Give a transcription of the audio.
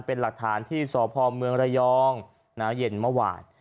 เป็นหลักฐานที่สพเมืองระยองเย็นเมื่อวาน